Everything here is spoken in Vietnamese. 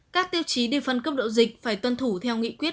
các tiêu chí đi phân cấp độ dịch phải tuân thủ theo nghị quyết